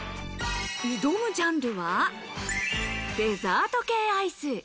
挑むジャンルは、デザート系アイス。